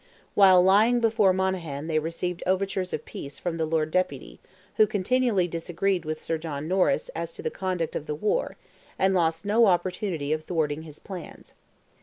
While lying before Monaghan they received overtures of peace from the Lord Deputy, who continually disagreed with Sir John Norris as to the conduct of the war, and lost no opportunity of thwarting his plans.